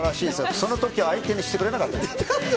そのときは相手にしてくれなかった。